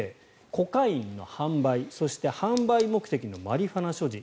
コカインの販売そして販売目的のマリファナ所持